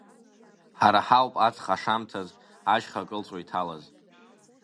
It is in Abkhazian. Ҳара ҳауп аҵх ашамҭаз, ашьха кылҵәо иҭалаз.